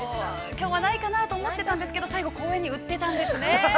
◆きょうはないかなと思っていたんすけど、最後、公園に売ってたんですね。